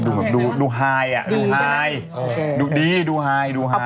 ขอบคุณค่ะ